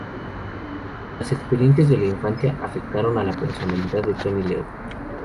Las experiencias de la infancia afectaron a la personalidad de Tony Leung.